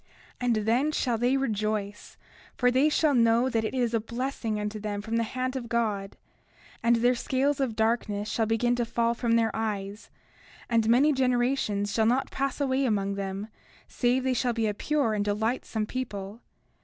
30:6 And then shall they rejoice; for they shall know that it is a blessing unto them from the hand of God; and their scales of darkness shall begin to fall from their eyes; and many generations shall not pass away among them, save they shall be a pure and delightsome people.